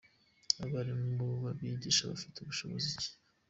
Abarimu babigisha bafite bushobozi ki ?